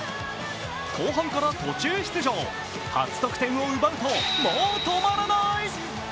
後半から途中出場、初得点を奪うともう止まらない！